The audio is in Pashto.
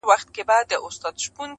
چي هر لوري ته یې واچول لاسونه،